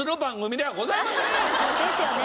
ですよね。